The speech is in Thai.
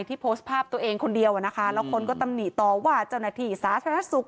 โพสต์ภาพตัวเองคนเดียวอ่ะนะคะแล้วคนก็ตำหนิต่อว่าเจ้าหน้าที่สาธารณสุข